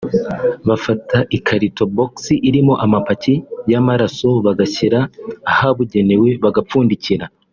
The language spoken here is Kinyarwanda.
bafata ikarito (Box) irimo amapaki y’amaraso bagashyira ahabugenewe bagapfundikira